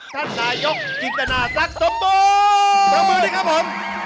ท่านนายกจิตนาสักสมบูรณ์สวัสดีครับผม